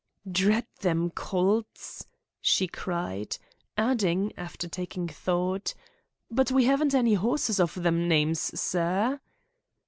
"Drat them colts!" she cried, adding, after taking thought; "but we haven't any horses of them names, sir."